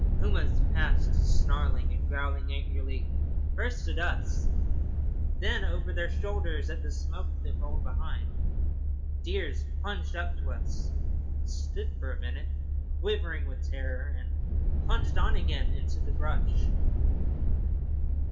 Pumas passed snarling and growling angrily, first at us, and then over their shoulders at the smoke that rolled behind. Deer plunged up to us, stood for a minute quivering with terror, and plunged on again into the brush.